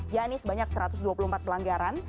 ya ini sebanyak satu ratus dua puluh empat pelanggaran